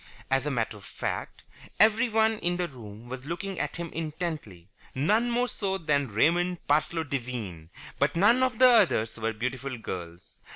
As a matter of fact, everyone in the room was looking at him intently, none more so than Raymond Parsloe Devine, but none of the others were beautiful girls.